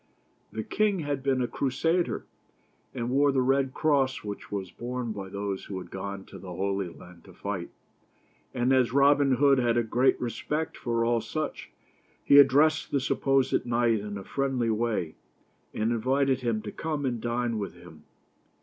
The king had been a Crusader, and wore the red cross which was borne by those who had gone to the Holy Land to fight ; and as Robin Hood had a great respect for all such, he addressed the supposed knight in a friendly way, and invited him to come and dine with him.